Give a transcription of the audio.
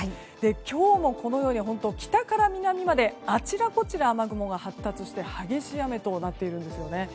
今日も北から南まであちらこちら雨雲が発達して激しい雨となっているんですよね。